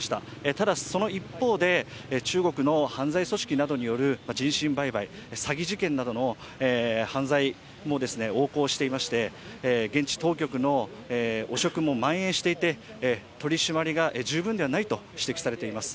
ただ、その一方で中国の犯罪組織などによる人身売買、詐欺事件などの犯罪も横行していまして、現地当局の汚職もまん延していて取り締まりが十分ではないと指摘されています。